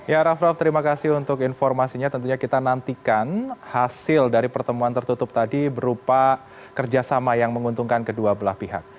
ya raff raff terima kasih untuk informasinya tentunya kita nantikan hasil dari pertemuan tertutup tadi berupa kerjasama yang menguntungkan kedua belah pihak